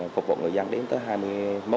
phục vụ người dân đến tới hai mươi một